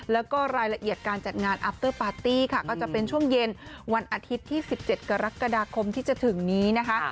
แล้วก็รายละเอียดการจัดงานอัพเตอร์ปาร์ตี้ค่ะก็จะเป็นช่วงเย็นวันอาทิตย์ที่๑๗กรกฎาคมที่จะถึงนี้นะคะ